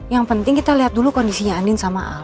yang penting kita lihat dulu kondisinya andin sama al